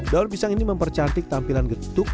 daun pisang ini mempercantik tampilan getuk